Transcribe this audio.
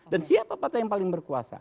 dan siapa yang paling berkuasa